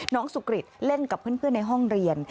สุกริตเล่นกับเพื่อนในห้องเรียน